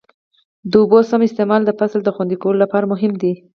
د اوبو سم استعمال د فصل د خوندي کولو لپاره مهم دی.